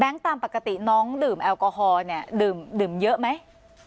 แบ็งก์ตามปกติน้องดื่มแอลกอฮอล์เนี้ยดื่มดื่มเยอะไหม